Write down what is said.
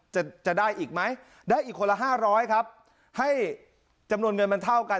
จะได้อีกไหมได้อีกคนละห้าร้อยครับให้จำนวนเงินมันเท่ากัน